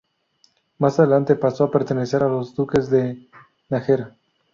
Más adelante pasó a pertenecer a los duques de Nájera.